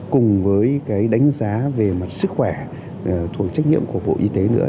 cùng với cái đánh giá về mặt sức khỏe thuộc trách nhiệm của bộ y tế nữa